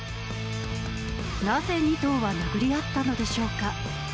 なぜ２頭は殴り合ったのでしょうか。